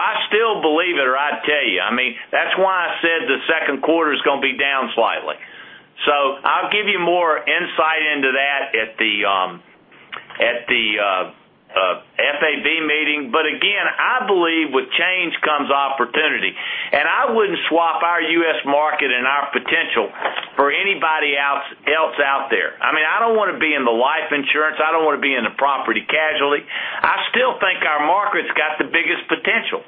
I still believe it, or I'd tell you. That's why I said the second quarter is going to be down slightly. I'll give you more insight into that at the FAB meeting. Again, I believe with change comes opportunity, and I wouldn't swap our U.S. market and our potential for anybody else out there. I don't want to be in the life insurance. I don't want to be in the property casualty. I still think our market's got the biggest potential,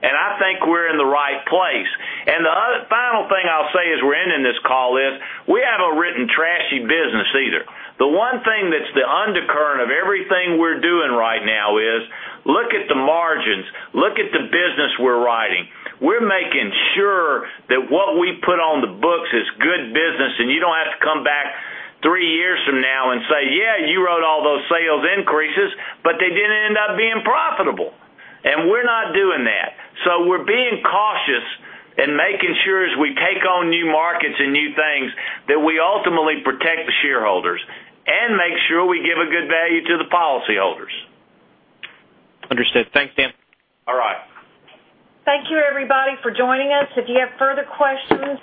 and I think we're in the right place. The final thing I'll say as we're ending this call is, we haven't written trashy business either. The one thing that's the undercurrent of everything we're doing right now is look at the margins, look at the business we're writing. We're making sure that what we put on the books is good business, and you don't have to come back three years from now and say, "Yeah, you wrote all those sales increases, but they didn't end up being profitable." We're not doing that. We're being cautious and making sure as we take on new markets and new things, that we ultimately protect the shareholders and make sure we give a good value to the policyholders. Understood. Thanks, Dan. All right. Thank you everybody for joining us. If you have further questions,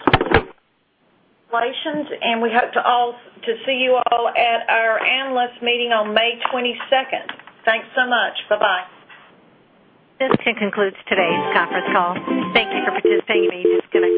relations, and we hope to see you all at our analyst meeting on May 22nd. Thanks so much. Bye-bye. This concludes today's conference call. Thank you for participating, and you may disconnect at this time.